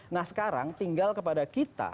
nah sekarang tinggal kepada kita